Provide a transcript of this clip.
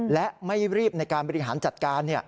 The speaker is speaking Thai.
และไม่รีบในการบริหารจัดการ